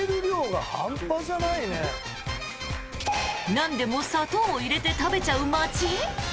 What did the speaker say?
なんでも砂糖を入れて食べちゃう町？